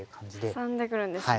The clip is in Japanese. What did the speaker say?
ハサんでくるんですね。